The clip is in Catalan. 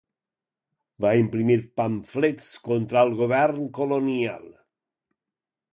Va imprimir pamflets contra el govern colonial.